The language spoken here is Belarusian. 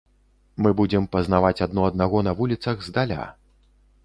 Мы будзем пазнаваць адно аднаго на вуліцах здаля.